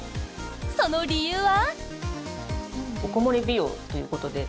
その理由は？